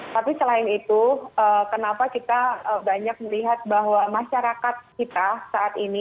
tapi selain itu kenapa kita banyak melihat bahwa masyarakat kita saat ini